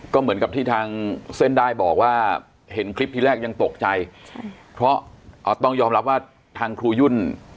ก็เหมือนกับที่ทางเส้นได้บอกว่าเห็นคลิปที่แรกยังตกใจเพราะต้องยอมรับว่าทางครูยุ่น